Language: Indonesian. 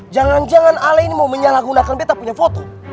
jangan jangan ale ini mau menyalahgunakan beta punya foto